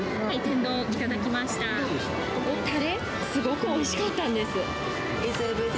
たれ、すごくおいしかったんです。